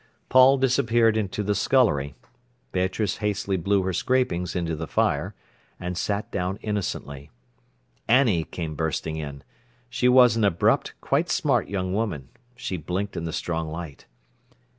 Paul disappeared into the scullery. Beatrice hastily blew her scrapings into the fire, and sat down innocently. Annie came bursting in. She was an abrupt, quite smart young woman. She blinked in the strong light.